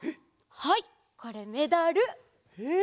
はいこれメダル。え！